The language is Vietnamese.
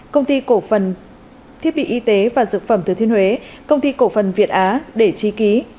công ty cổ phần thiết bị y tế và dược phẩm thứ thiên huế công ty cổ phần việt á để tri ký